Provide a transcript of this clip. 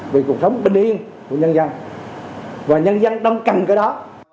vì cuộc sống bình yên của nhân dân và nhân dân đông cành cái đó